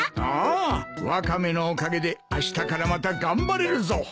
ああワカメのおかげであしたからまた頑張れるぞ！